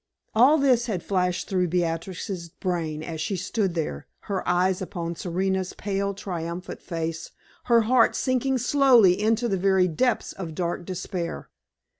All this had flashed through Beatrix's brain as she stood there, her eyes upon Serena's pale, triumphant face, her heart sinking slowly into the very depths of dark despair.